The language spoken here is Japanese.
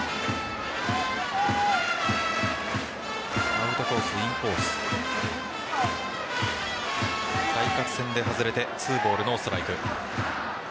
アウトコース、インコース対角線で外れて２ボールノーストライク。